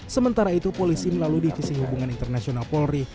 sementara itu polisi melalui divisi hubungan internasional polri